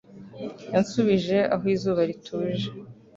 yansubije aho izuba rituje